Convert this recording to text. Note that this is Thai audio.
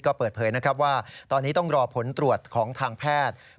ก็เปิดเผยนะครับว่าตอนนี้ต้องรอผลตรวจของทางแพทย์